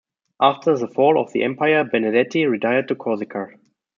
After the fall of the Empire Benedetti retired to Corsica.